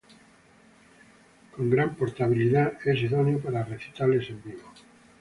Con gran portabilidad, es idóneo para recitales en vivo.